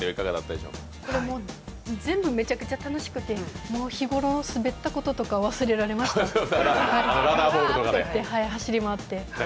全部めちゃくちゃ楽しくて、日頃のスベッたこととか忘れました、走り回って。